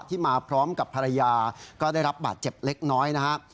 มาพร้อมกับภรรยาก็ได้รับบาดเจ็บเล็กน้อยนะครับ